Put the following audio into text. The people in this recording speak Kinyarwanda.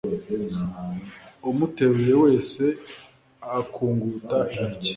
umuteruye wese akunguta intoki